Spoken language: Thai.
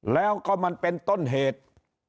แล้วก็มันเป็นต้นเหตุ